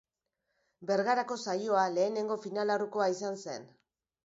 Bergarako saioa lehenengo finalaurrekoa izan zen.